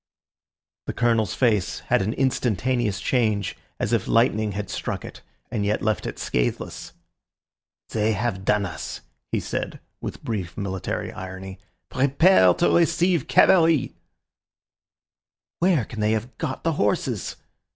The Colonel's face had an instantaneous change, as if lightning had struck it, and yet left it scatheless. "They have done us," he said, with brief military irony. "Prepare to receive cavalry!" "Where can they have got the horses?"